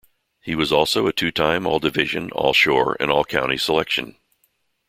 He was also a two-time All-Division, All-Shore and All-County selection.